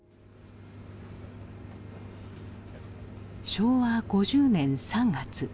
昭和５０年３月。